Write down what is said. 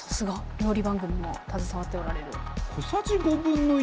料理番組も携わっておられる。